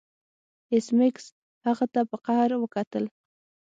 ایس میکس هغه ته په قهر وکتل